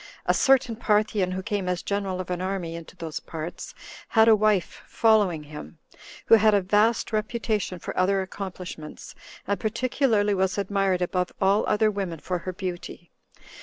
A certain Parthian, who came as general of an army into those parts, had a wife following him, who had a vast reputation for other accomplishments, and particularly was admired above all other women for her beauty.